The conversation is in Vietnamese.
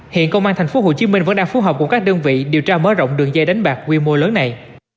hiện công an tp hcm vẫn đang phù hợp cùng các đơn vị điều tra mở rộng đường dây đánh bạc quy mô lớn này